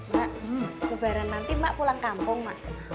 mbak lebaran nanti mbak pulang kampung mbak